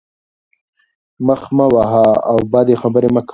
مخ مه وهه او بدې خبرې مه کوه.